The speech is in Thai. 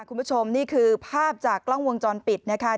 คุณผู้ชมนี่คือภาพจากกล้องวงจรปิดนะคะ